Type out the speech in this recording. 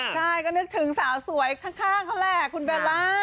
ใช่ก็นึกถึงสาวสวยข้างเขาแหละคุณเบลล่า